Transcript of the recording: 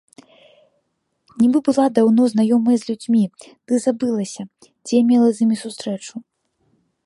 Нібы была даўно знаёмая з людзьмі, ды забылася, дзе мела з імі сустрэчу.